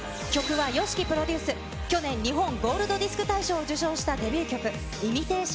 曲はＹＯＳＨＩＫＩプロデュース、去年、日本ゴールドディスク大賞を受賞したデビュー曲、ＩｍｉｔａｔｉｏｎＲａｉｎ。